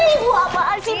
ibu apaan sih